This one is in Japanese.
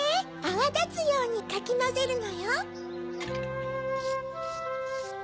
あわだつようにかきまぜるのよ。